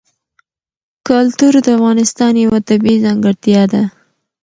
کلتور د افغانستان یوه طبیعي ځانګړتیا ده.